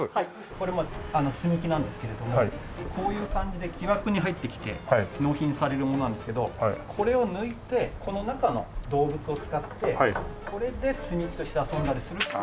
これも積み木なんですけれどもこういう感じで木枠に入ってきて納品されるものなんですけどこれを抜いてこの中の動物を使ってこれで積み木として遊んだりするっていう。